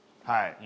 はい。